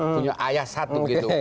punya ayah satu gitu